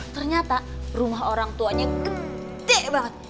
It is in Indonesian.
ternyata rumah orang tuanya gede banget